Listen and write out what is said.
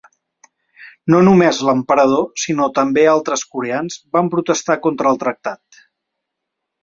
No només l'emperador sinó també altres coreans van protestar contra el tractat.